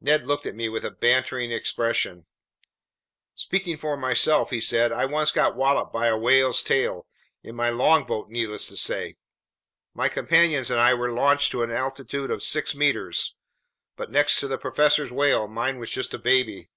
Ned looked at me with a bantering expression. "Speaking for myself," he said, "I once got walloped by a whale's tail—in my longboat, needless to say. My companions and I were launched to an altitude of six meters. But next to the professor's whale, mine was just a baby."